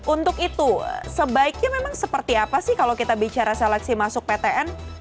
untuk itu sebaiknya memang seperti apa sih kalau kita bicara seleksi masuk ptn